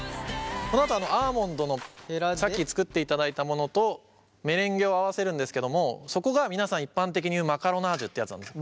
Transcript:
このあとアーモンドのさっき作っていただいたものとメレンゲを合わせるんですけどもそこが皆さん一般的に言うマカロナージュってやつなんです。